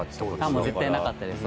もう絶対なかったです